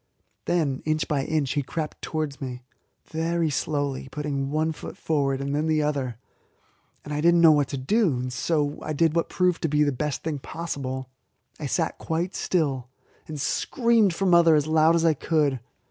Then inch by inch he crept towards me, very slowly, putting one foot forward and then the other. I did not know what to do, and so did what proved to be the best thing possible: I sat quite still, and screamed for mother as loud as I could.